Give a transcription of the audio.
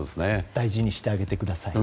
大事にしてあげてくださいね。